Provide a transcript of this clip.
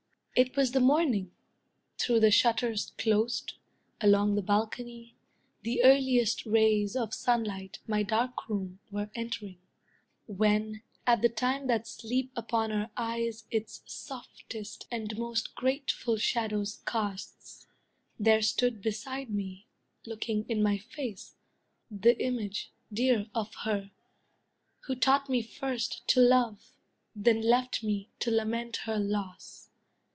It was the morning; through the shutters closed, Along the balcony, the earliest rays Of sunlight my dark room were entering; When, at the time that sleep upon our eyes Its softest and most grateful shadows casts, There stood beside me, looking in my face, The image dear of her, who taught me first To love, then left me to lament her loss.